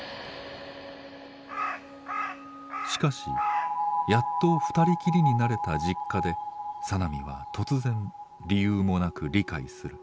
しかしやっと二人きりになれた実家で小波は突然理由もなく理解する。